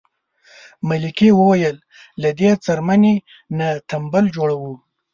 ملکې وویل له دې څرمنې نه تمبل جوړوو.